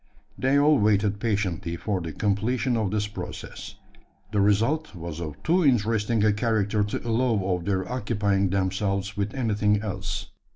They all waited patiently for the completion of this process. The result was of too interesting a character to allow of their occupying themselves with anything else.